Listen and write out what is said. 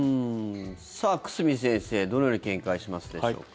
久住先生、どのように見解しますでしょうか。